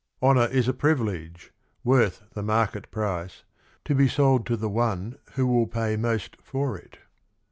Honor is a privilege, worth the market price, to be sold to the one who will pay most for it.